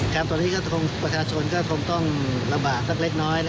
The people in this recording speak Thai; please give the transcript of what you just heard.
ตอนนี้ประชาชนก็คงต้องลำบากสักเล็กน้อย